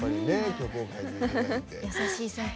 曲を書いていただいて。